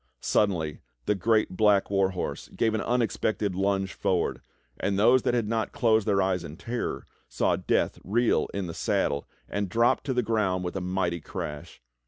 Suddenly the great black war horse gave an unexpected plunge forward, and those that had not closed their eyes in terror, saw Death reel in the saddle, and drop to the ground with a mighty crash.